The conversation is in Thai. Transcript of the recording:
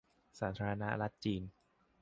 สาธารณรัฐจีน